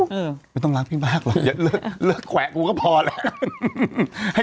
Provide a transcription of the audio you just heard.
ว่าไม่ต้องรักพี่มากลืกแขวกูก็พอละ